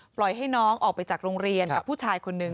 ปล่อยให้น้องออกไปจากโรงเรียนกับผู้ชายคนนึง